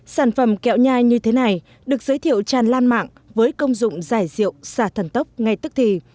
sản phẩm kẹo nhai như thế này được giới thiệu tràn lan mạng với công dụng giải rượu xả thần tốc ngay tức thì